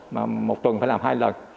mà một tuần phải làm hai lần